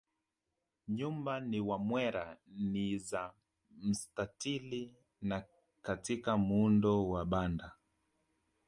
Nyumba za Wamwera ni za mstatili na katika muundo wa banda